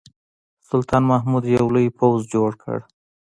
سلطان محمود یو لوی پوځ جوړ کړ.